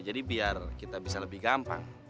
jadi biar kita bisa lebih gampang